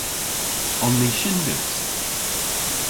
On ni shyndys?